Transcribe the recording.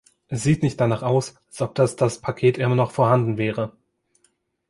Sieht nicht danach aus, als ob dass das Paket noch immer vorhanden wäre.